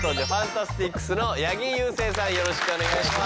よろしくお願いします。